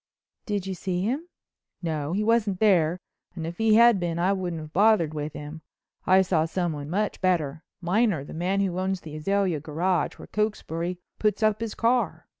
"Did you see him?" "No, he wasn't there and if he had been I wouldn't have bothered with him. I saw someone much better—Miner, the man who owns the Azalea Garage, where Cokesbury puts up his car.